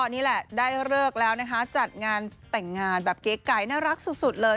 นี่แหละได้เลิกแล้วนะคะจัดงานแต่งงานแบบเก๋ไก่น่ารักสุดเลย